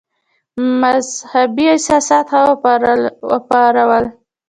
مدهبي احساسات ښه وپارول.